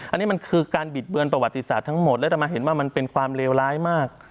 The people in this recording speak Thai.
อันนี้มันคือการบิดเบือนประวัติศาสตร์ทั้งหมดแล้วจะมาเห็นว่ามันเป็นความเลวร้ายมาก